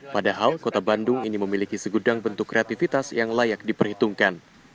padahal kota bandung ini memiliki segudang bentuk kreativitas yang layak diperhitungkan